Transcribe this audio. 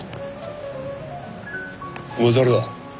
お前誰だ？